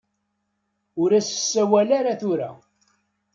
Ur as-ssawal ara tura.